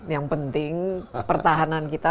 yang penting pertahanan kita